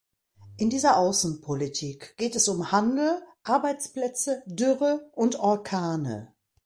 In dieser Außenpolitik geht es um Handel, Arbeitsplätze, Dürre und Orkane.